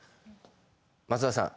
松田さん。